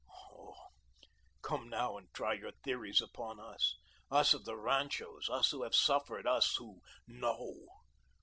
Oh, come now and try your theories upon us, us of the ranchos, us, who have suffered, us, who KNOW.